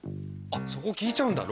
あっそこ聞いちゃうんだ？